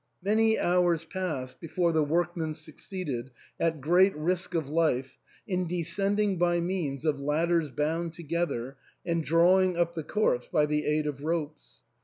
Many hours passed before the workmen succeeded, at great risk of life, in descending by means of ladders bound together, and drawing up the corpse by the aid of ropes.